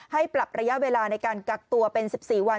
ให้ปรับระยะเวลาในการกักตัวเป็น๑๔วัน